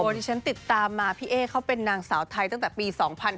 ที่ฉันติดตามมาพี่เอ๊เขาเป็นนางสาวไทยตั้งแต่ปี๒๕๕๙